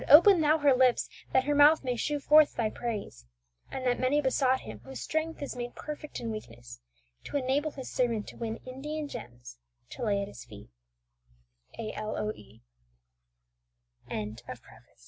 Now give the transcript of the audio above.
open Thou her lips, that her mouth may shew forth Thy praise!" and that many besought Him whose strength is made perfect in weakness, to enable His servant to win Indian gems to lay at His fee